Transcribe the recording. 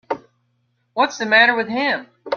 What's the matter with him.